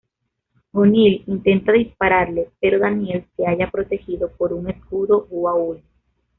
O'Neill intenta dispararle, pero Daniel se halla protegido por un escudo Goa'uld.